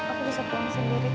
aku bisa pulang sendiri